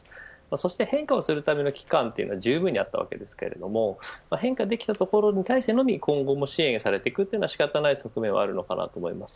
そして変化をするための期間はじゅうぶんにあったわけですけど変化できたところに対してのみ今後も支援をされていくというのは仕方ない側面はあると思います。